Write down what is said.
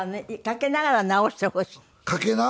掛けながら直してほしい。